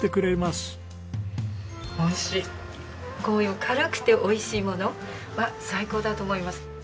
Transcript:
こういう軽くて美味しいものは最高だと思います。